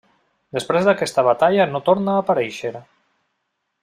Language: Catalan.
Després d'aquesta batalla no torna a aparèixer.